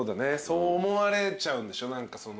そう思われちゃうんでしょ？